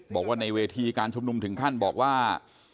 บอกว่าในเวทีการชุมนุมถึงขั้นบอกว่า